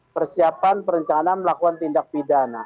persiapan perencanaan melakukan tindak pidana